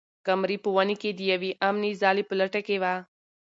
قمري په ونې کې د یوې امنې ځالۍ په لټه کې وه.